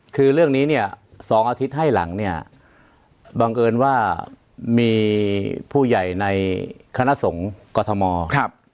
คือเรื่องนี้เนี่ย๒อาทิตย์ให้หลังเนี่ยบังเอิญว่ามีผู้ใหญ่ในคณะสงฆ์กรทมครับ